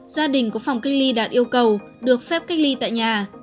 gia đình có phòng cách ly đạt yêu cầu được phép cách ly tại nhà